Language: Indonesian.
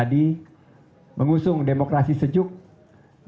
kami akan berhubung dengan mereka kami akan berhubung dengan mereka